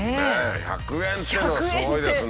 １００円っていうのはすごいですね。